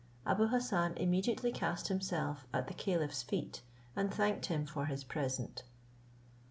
Abou Hassan immediately cast himself at the caliph's feet, and thanked him for his present.